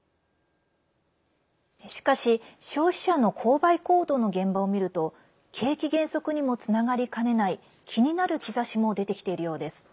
しかし、消費者の購買行動の現場を見ると景気減速にもつながりかねない気になる兆しも出てきているようです。